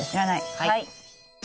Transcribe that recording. はい。